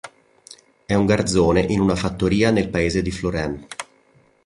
È un garzone in una fattoria nel paese di Florin.